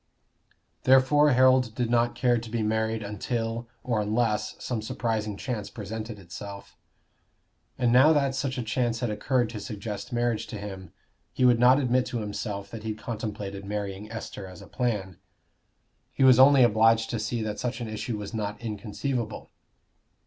Therefore Harold did not care to be married until or unless some surprising chance presented itself; and now that such a chance had occurred to suggest marriage to him, he would not admit to himself that he contemplated marrying Esther as a plan; he was only obliged to see that such an issue was not inconceivable.